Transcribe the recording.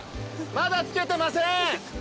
まだつけてません！